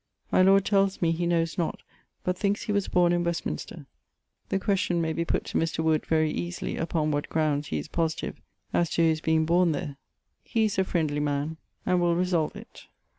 My lord tells me, he knowes not, but thinks he was borne in Westminster. The question may be put to Mr. Wood very easily vpon what grownds he is positiue as to his being borne their? he is a friendly man and will resolue it.